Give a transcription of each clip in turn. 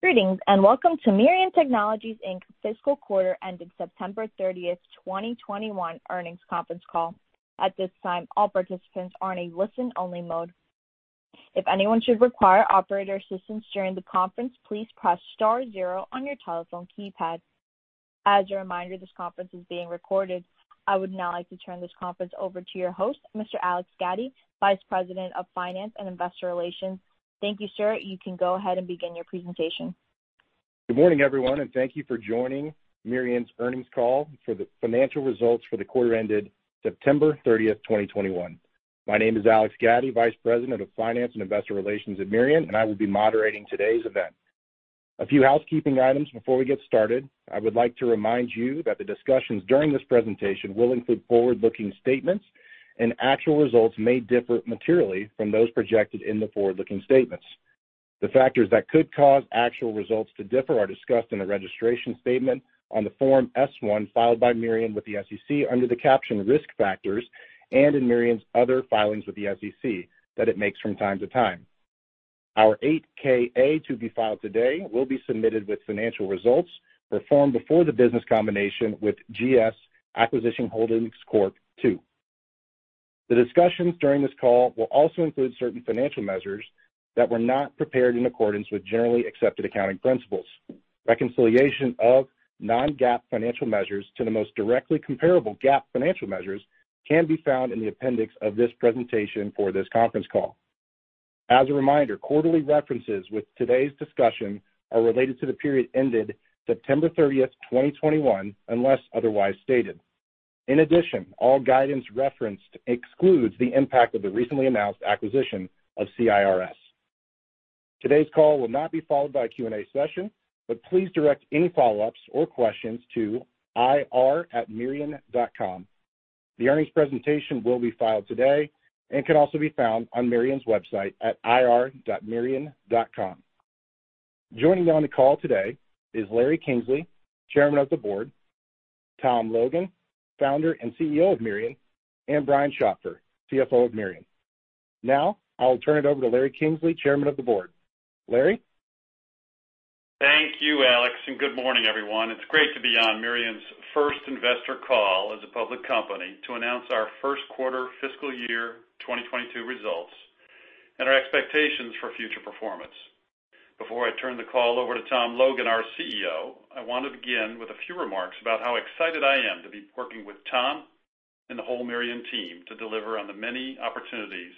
Greetings, and welcome to Mirion Technologies, Inc's Fiscal Quarter Ending September 30, 2021 Earnings Conference Call. At this time, all participants are in a listen-only mode. If anyone should require operator assistance during the conference, please press star zero on your telephone keypad. As a reminder, this conference is being recorded. I would now like to turn this conference over to your host, Mr. Alex Gaddy, Vice President of Finance and Investor Relations. Thank you, sir. You can go ahead and begin your presentation. Good morning, everyone, and thank you for joining Mirion's Earnings Call for the financial results for the quarter ended September 30, 2021. My name is Alex Gaddy, Vice President of Finance and Investor Relations at Mirion, and I will be moderating today's event. A few housekeeping items before we get started. I would like to remind you that the discussions during this presentation will include forward-looking statements, and actual results may differ materially from those projected in the forward-looking statements. The factors that could cause actual results to differ are discussed in the registration statement on the Form S-1 filed by Mirion with the SEC under the caption Risk Factors and in Mirion's other filings with the SEC that it makes from time to time. Our 8-K/A to be filed today will be submitted with financial results for the form before the business combination with GS Acquisition Holdings Corp II. The discussions during this call will also include certain financial measures that were not prepared in accordance with generally accepted accounting principles. Reconciliation of non-GAAP financial measures to the most directly comparable GAAP financial measures can be found in the appendix of this presentation for this conference call. As a reminder, quarterly references with today's discussion are related to the period ended September 30, 2021, unless otherwise stated. In addition, all guidance referenced excludes the impact of the recently announced acquisition of CIRS. Today's call will not be followed by a Q&A session, but please direct any follow-ups or questions to ir@mirion.com. The earnings presentation will be filed today and can also be found on Mirion's website at ir.mirion.com. Joining me on the call today is Larry Kingsley, Chairman of the Board, Tom Logan, Founder and CEO of Mirion, and Brian Schopfer, CFO of Mirion. Now, I'll turn it over to Larry Kingsley, Chairman of the Board. Larry? Thank you, Alex, and good morning, everyone. It's great to be on Mirion's First Investor Call as a public company to announce our First Quarter Fiscal year 2022 results and our expectations for future performance. Before I turn the call over to Tom Logan, our CEO, I want to begin with a few remarks about how excited I am to be working with Tom and the whole Mirion team to deliver on the many opportunities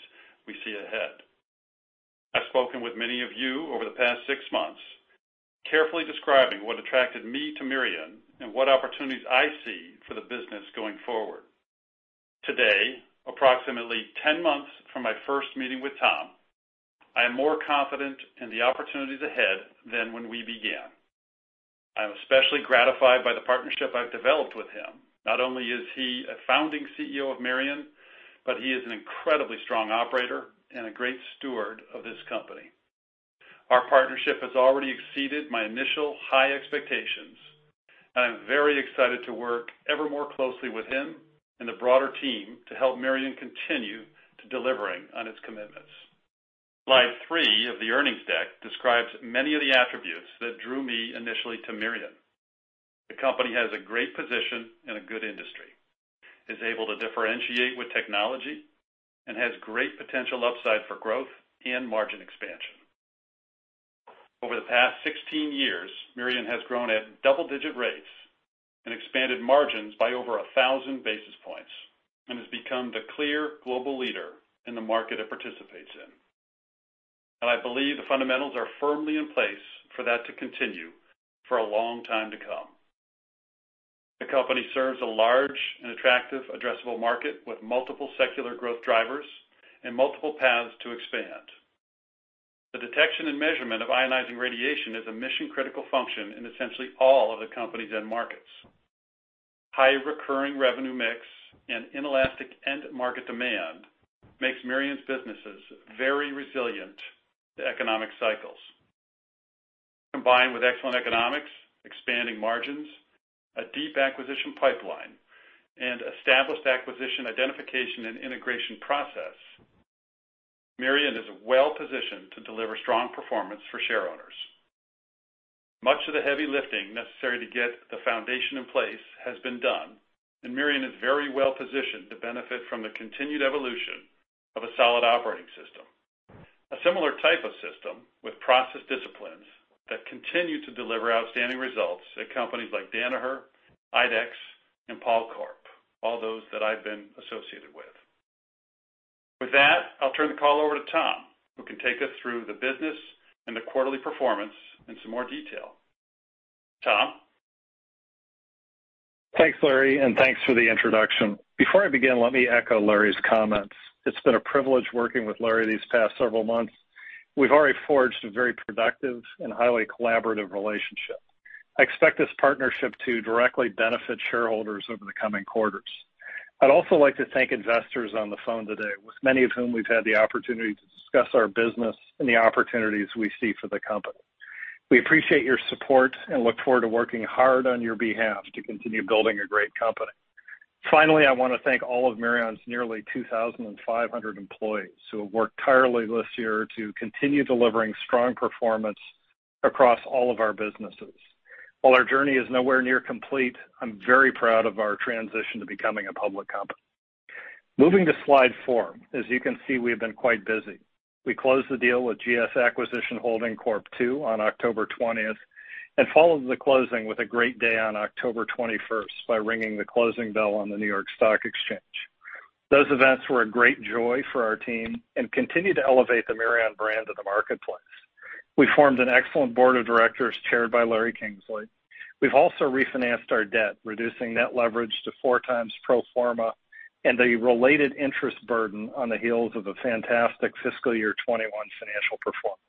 we see ahead. I've spoken with many of you over the past six months, carefully describing what attracted me to Mirion and what opportunities I see for the business going forward. Today, approximately 10 months from my first meeting with Tom, I am more confident in the opportunities ahead than when we began. I'm especially gratified by the partnership I've developed with him. Not only is he a founding CEO of Mirion, but he is an incredibly strong operator and a great steward of this company. Our partnership has already exceeded my initial high expectations, and I'm very excited to work ever more closely with him and the broader team to help Mirion continue to deliver on its commitments. Slide three of the earnings deck describes many of the attributes that drew me initially to Mirion. The company has a great position in a good industry, is able to differentiate with technology and has great potential upside for growth and margin expansion. Over the past 16 years, Mirion has grown at double-digit rates and expanded margins by over 1,000 basis points and has become the clear global leader in the market it participates in. I believe the fundamentals are firmly in place for that to continue for a long time to come. The company serves a large and attractive addressable market with multiple secular growth drivers and multiple paths to expand. The detection and measurement of ionizing radiation is a mission-critical function in essentially all of the company's end markets. High recurring revenue mix and inelastic end market demand makes Mirion's businesses very resilient to economic cycles. Combined with excellent economics, expanding margins, a deep acquisition pipeline, and established acquisition identification and integration process, Mirion is well-positioned to deliver strong performance for shareowners. Much of the heavy lifting necessary to get the foundation in place has been done, and Mirion is very well-positioned to benefit from the continued evolution of a solid operating system, a similar type of system with process disciplines that continue to deliver outstanding results at companies like Danaher, IDEXX, and Pall Corp, all those that I've been associated with. With that, I'll turn the call over to Tom, who can take us through the business and the quarterly performance in some more detail. Tom? Thanks, Larry, and thanks for the introduction. Before I begin, let me echo Larry's comments. It's been a privilege working with Larry these past several months. We've already forged a very productive and highly collaborative relationship. I expect this partnership to directly benefit shareholders over the coming quarters. I'd also like to thank investors on the phone today, with many of whom we've had the opportunity to discuss our business and the opportunities we see for the company. We appreciate your support and look forward to working hard on your behalf to continue building a great company. Finally, I want to thank all of Mirion's nearly 2,500 employees who have worked tirelessly this year to continue delivering strong performance across all of our businesses. While our journey is nowhere near complete, I'm very proud of our transition to becoming a public company. Moving to slide four. As you can see, we've been quite busy. We closed the deal with GS Acquisition Holdings Corp II on October 20th, and followed the closing with a great day on October 21st by ringing the closing bell on the New York Stock Exchange. Those events were a great joy for our team and continue to elevate the Mirion brand in the marketplace. We formed an excellent board of directors chaired by Larry Kingsley. We've also refinanced our debt, reducing net leverage to 4x pro forma and a related interest burden on the heels of a fantastic fiscal year 2021 financial performance.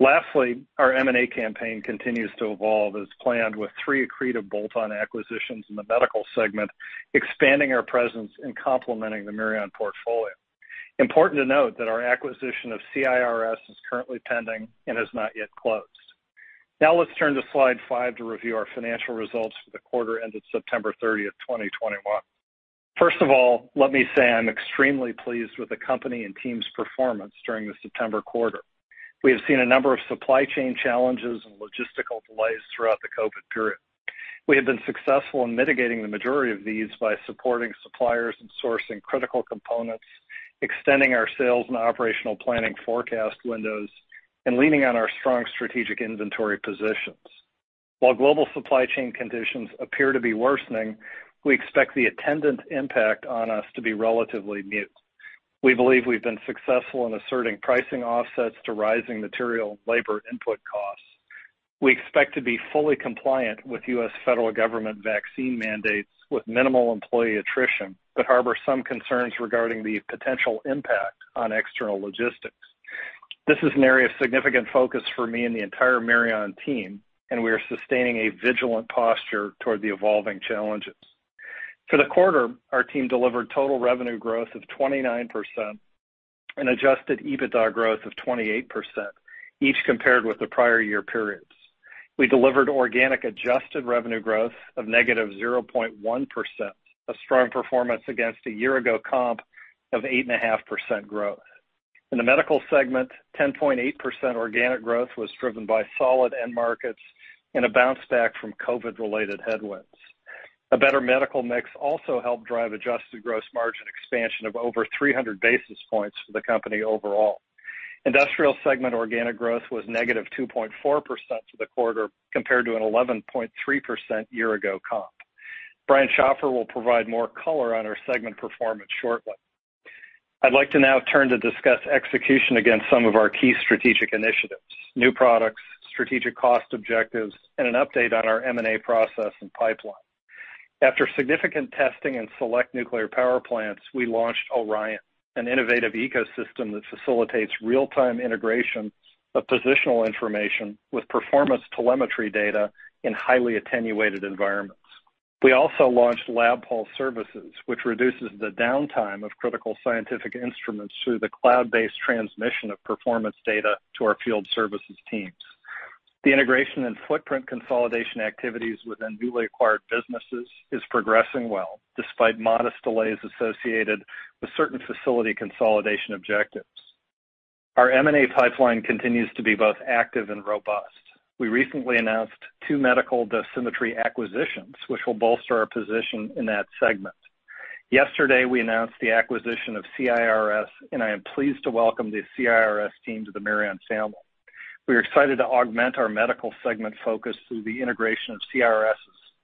Lastly, our M&A campaign continues to evolve as planned with three accretive bolt-on acquisitions in the medical segment, expanding our presence and complementing the Mirion portfolio. Important to note that our acquisition of CIRS is currently pending and has not yet closed. Now let's turn to slide five to review our financial results for the quarter ended September 30, 2021. First of all, let me say I'm extremely pleased with the company and team's performance during the September quarter. We have seen a number of supply chain challenges and logistical delays throughout the COVID period. We have been successful in mitigating the majority of these by supporting suppliers and sourcing critical components, extending our sales and operational planning forecast windows, and leaning on our strong strategic inventory positions. While global supply chain conditions appear to be worsening, we expect the attendant impact on us to be relatively muted. We believe we've been successful in asserting pricing offsets to rising material labor input costs. We expect to be fully compliant with U.S. federal government vaccine mandates with minimal employee attrition, but harbor some concerns regarding the potential impact on external logistics. This is an area of significant focus for me and the entire Mirion team, and we are sustaining a vigilant posture toward the evolving challenges. For the quarter, our team delivered total revenue growth of 29% and Adjusted EBITDA growth of 28%, each compared with the prior year periods. We delivered organic adjusted revenue growth of -0.1%, a strong performance against a year-ago comp of 8.5% growth. In the Medical segment, 10.8% organic growth was driven by solid end markets and a bounce back from COVID-related headwinds. A better medical mix also helped drive adjusted gross margin expansion of over 300 basis points for the company overall. Industrial segment organic growth was -2.4% for the quarter compared to an 11.3% year-ago comp. Brian Schopfer will provide more color on our segment performance shortly. I'd like to now turn to discuss execution against some of our key strategic initiatives, new products, strategic cost objectives, and an update on our M&A process and pipeline. After significant testing in select nuclear power plants, we launched Orion, an innovative ecosystem that facilitates real-time integration of positional information with performance telemetry data in highly attenuated environments. We also launched LabPulse services, which reduces the downtime of critical scientific instruments through the cloud-based transmission of performance data to our field services teams. The integration and footprint consolidation activities within newly acquired businesses is progressing well despite modest delays associated with certain facility consolidation objectives. Our M&A pipeline continues to be both active and robust. We recently announced two medical dosimetry acquisitions, which will bolster our position in that segment. Yesterday, we announced the acquisition of CIRS, and I am pleased to welcome the CIRS team to the Mirion family. We are excited to augment our medical segment focus through the integration of CIRS's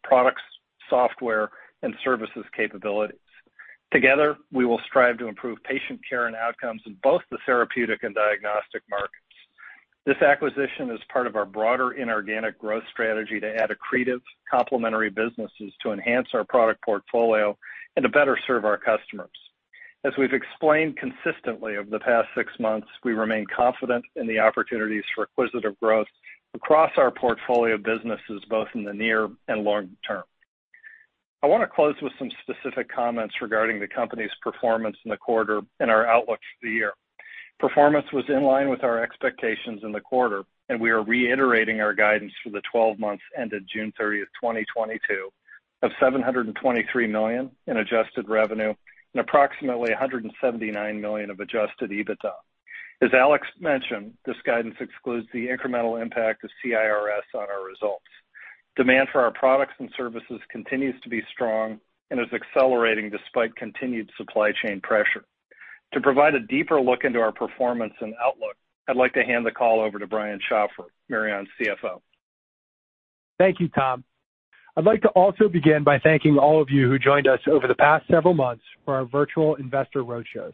products, software, and services capabilities. Together, we will strive to improve patient care and outcomes in both the therapeutic and diagnostic markets. This acquisition is part of our broader inorganic growth strategy to add accretive complementary businesses to enhance our product portfolio and to better serve our customers. As we've explained consistently over the past six months, we remain confident in the opportunities for acquisitive growth across our portfolio of businesses, both in the near and long term. I wanna close with some specific comments regarding the company's performance in the quarter and our outlook for the year. Performance was in line with our expectations in the quarter, and we are reiterating our guidance for the twelve months ended June 30, 2022 of $723 million in Adjusted revenue and approximately $179 million of Adjusted EBITDA. As Alex mentioned, this guidance excludes the incremental impact of CIRS on our results. Demand for our products and services continues to be strong and is accelerating despite continued supply chain pressure. To provide a deeper look into our performance and outlook, I'd like to hand the call over to Brian Schopfer, Mirion's CFO. Thank you, Tom. I'd like to also begin by thanking all of you who joined us over the past several months for our virtual investor roadshows,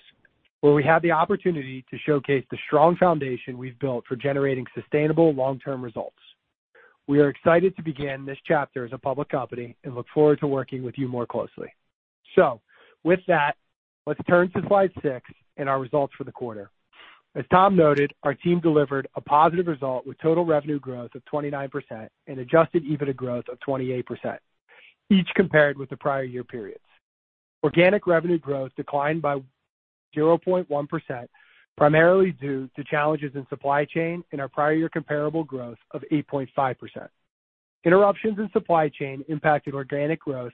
where we had the opportunity to showcase the strong foundation we've built for generating sustainable long-term results. We are excited to begin this chapter as a public company and look forward to working with you more closely. With that, let's turn to slide six and our results for the quarter. As Tom noted, our team delivered a positive result with total revenue growth of 29% and Adjusted EBITDA growth of 28%, each compared with the prior year periods. Organic revenue growth declined by 10.1%, primarily due to challenges in supply chain and our prior year comparable growth of 8.5%. Interruptions in supply chain impacted organic growth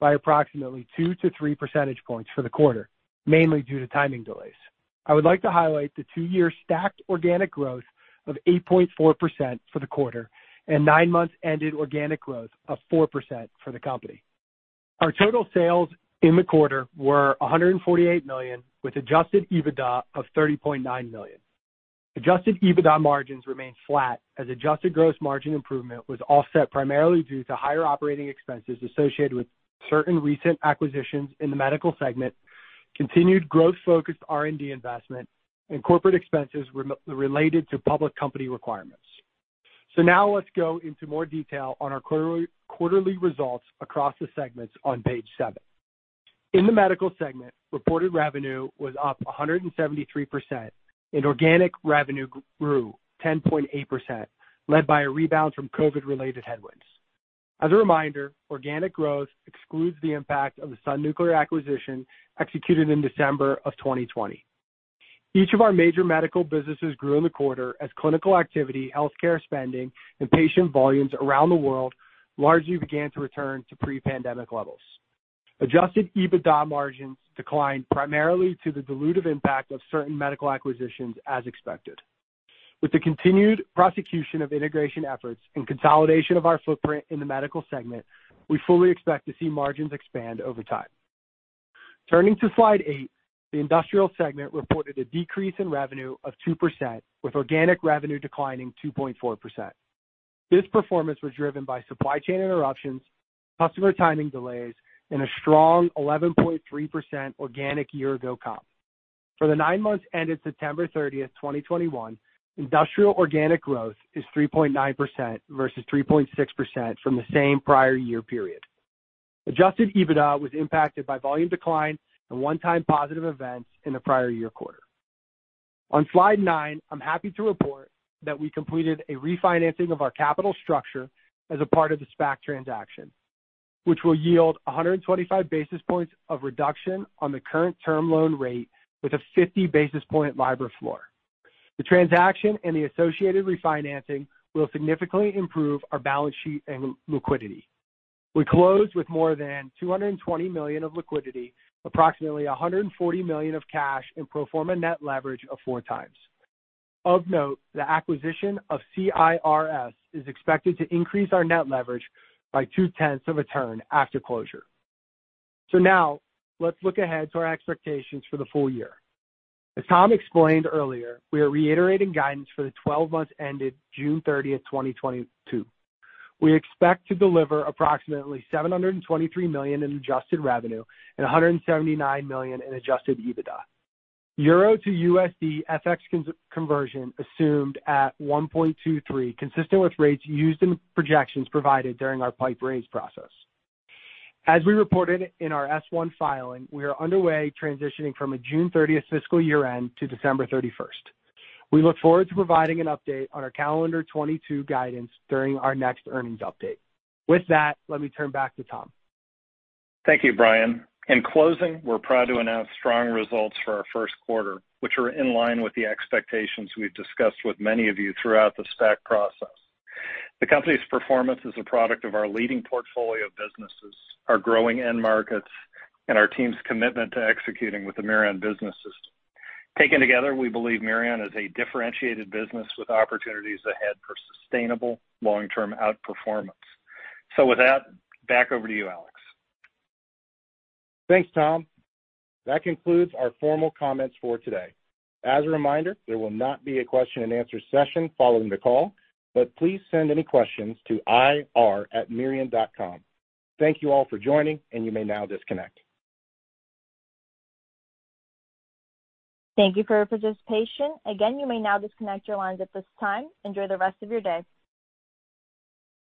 by approximately 2-3 percentage points for the quarter, mainly due to timing delays. I would like to highlight the two-year stacked organic growth of 8.4% for the quarter and nine months ended organic growth of 4% for the company. Our total sales in the quarter were $148 million, with Adjusted EBITDA of $30.9 million. Adjusted EBITDA margins remained flat as adjusted gross margin improvement was offset primarily due to higher operating expenses associated with certain recent acquisitions in the medical segment, continued growth-focused R&D investment and corporate expenses re-related to public company requirements. Now let's go into more detail on our quarterly results across the segments on page seven. In the Medical segment, reported revenue was up 173% and organic revenue grew 10.8%, led by a rebound from COVID-related headwinds. As a reminder, organic growth excludes the impact of the Sun Nuclear acquisition executed in December of 2020. Each of our major medical businesses grew in the quarter as clinical activity, healthcare spending and patient volumes around the world largely began to return to pre-pandemic levels. Adjusted EBITDA margins declined primarily to the dilutive impact of certain medical acquisitions as expected. With the continued prosecution of integration efforts and consolidation of our footprint in the Medical segment, we fully expect to see margins expand over time. Turning to slide eight, the Industrial segment reported a decrease in revenue of 2%, with organic revenue declining 2.4%. This performance was driven by supply chain interruptions, customer timing delays, and a strong 11.3% organic year-ago comp. For the nine months ended September 30, 2021, industrial organic growth, is 3.9% versus 3.6%, from the same prior year period. Adjusted EBITDA was impacted by volume decline and one-time positive events in the prior year quarter. On slide nine, I'm happy to report, that we completed a refinancing of our capital structure as a part of the SPAC transaction, which will yield 125 basis points of reduction on the current term loan rate with a 50 basis point LIBOR floor. The transaction and the associated refinancing will significantly improve our balance sheet and liquidity. We closed with more than $220 million of liquidity, approximately $140 million of cash, and pro forma net leverage of 4x. Of note, the acquisition of CIRS is expected to increase our net leverage by 0.2 of a turn after closure. Now let's look ahead to our expectations for the full year. As Tom explained earlier, we are reiterating guidance for the 12 months ended June 30, 2022. We expect to deliver approximately $723 million in adjusted revenue and $179 million in Adjusted EBITDA. Euro to USD FX conversion assumed at 1.23, consistent with rates used in projections provided during our PIPE raise process. As we reported in our S-1 filing, we are underway transitioning from a June 30 fiscal year-end to December 31. We look forward to providing an update on our calendar 2022 guidance during our next earnings update. With that, let me turn back to Tom. Thank you, Brian. In closing, we're proud to announce strong results for our first quarter, which are in line with the expectations we've discussed with many of you throughout the SPAC process. The company's performance is a product of our leading portfolio of businesses, our growing end markets, and our team's commitment to executing with the Mirion Business System. Taken together, we believe Mirion is a differentiated business with opportunities ahead for sustainable long-term outperformance. With that, back over to you, Alex. Thanks, Tom. That concludes our formal comments for today. As a reminder, there will not be a question-and-answer session following the call, but please send any questions to ir@mirion.com. Thank you all for joining, and you may now disconnect. Thank you for your participation. Again, you may now disconnect your lines at this time. Enjoy the rest of your day.